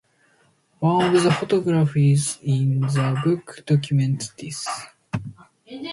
One of the photographs in the book documents this.